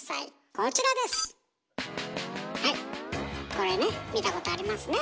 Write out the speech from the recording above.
コレね見たことありますね。